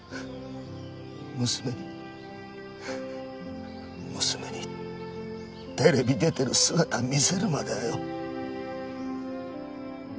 娘に娘にテレビ出てる姿見せるまではよ。